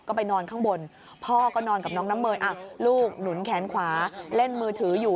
ก็ไปนอนข้างบนพ่อก็นอนกับน้องน้ำเมยลูกหนุนแขนขวาเล่นมือถืออยู่